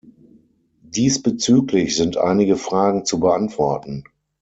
Diesbezüglich sind einige Fragen zu beantworten.